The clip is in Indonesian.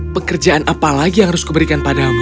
pekerjaan apa lagi yang harus kuberikan padamu